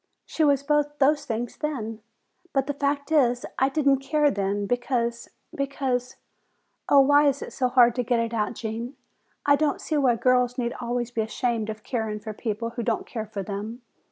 She was both those things then. But the fact is, I didn't care then, because, because Oh, why is it so hard to get it out, Gene? I don't see why girls need always be ashamed of caring for people who don't care for them?